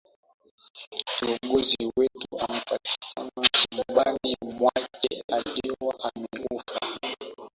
Kiongozi wetu amepatikana chumbani mwake akiwa amekufa.